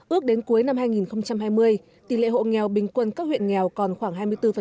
ước đến cuối năm hai nghìn hai mươi tỷ lệ hộ nghèo bình quân các huyện nghèo còn khoảng hai mươi bốn